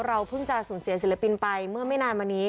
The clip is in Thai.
เพิ่งจะสูญเสียศิลปินไปเมื่อไม่นานมานี้